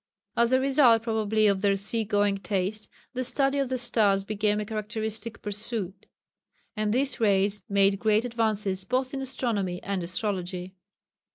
As a result probably of their sea going taste, the study of the stars became a characteristic pursuit, and this race made great advances both in astronomy and astrology.